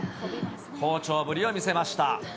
好調ぶりを見せました。